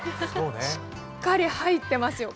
しっかり入ってますよ。